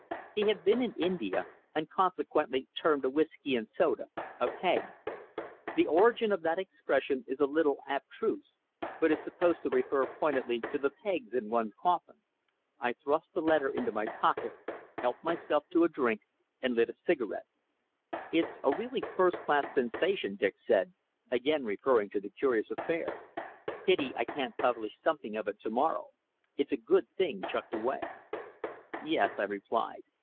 He had been in India, and consequently termed a whisky and soda a "peg." The origin of that expression is a little abstruse, but is supposed to refer pointedly to the pegs in one's coffin. I thrust the letter into my pocket, helped myself to a drink, and lit a cigarette. "It's a really first class sensation," Dick said, again referring to the curious affair. "Pity I can't publish something of it to morrow. It's a good thing chucked away." "Yes," I replied.